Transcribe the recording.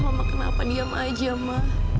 mama kenapa diam saja ma